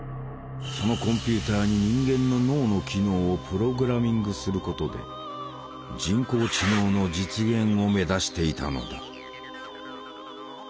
そのコンピューターに人間の脳の機能をプログラミングすることで人工知能の実現を目指していたのだ。